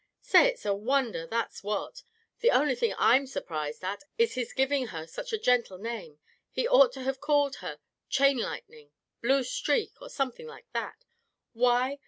Say, it's a wonder, that's what! The only thing I'm surprised at is his giving her such a gentle name. He ought to have called her Chain Lightning, Blue Streak, or something like that. Why?